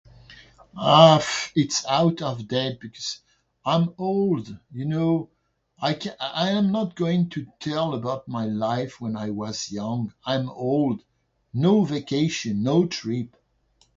Uh, it's out of that because I'm old, you know. I I am not going to tell about my life when I was young. I'm old. No vacation, no trip!